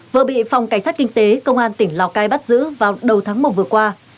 vừa bị phòng cảnh sát kinh tế công an tỉnh lào cai bắt giữ vào đầu tháng một vừa qua